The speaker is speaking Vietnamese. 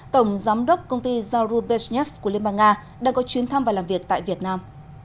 tổng giám đốc công ty zarubezhnev của liên bang nga đang có chuyến thăm và làm việc tại việt nam